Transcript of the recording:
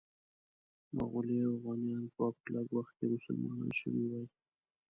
مغولي اوغانیان به په لږ وخت کې مسلمانان شوي وي.